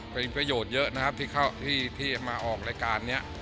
เป็นประโยชน์เยอะนะครับที่มาออกรายการนี้